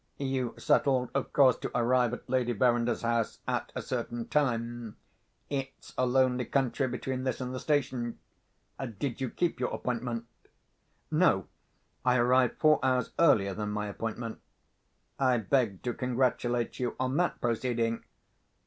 "You settled, of course, to arrive at Lady Verinder's house at a certain time? It's a lonely country between this and the station. Did you keep your appointment?" "No. I arrived four hours earlier than my appointment." "I beg to congratulate you on that proceeding!